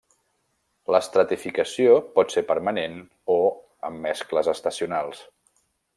L'estratificació pot ser permanent, o amb mescles estacionals.